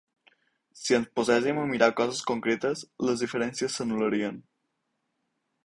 Si ens poséssim a mirar coses concretes, les diferències s’anul·larien.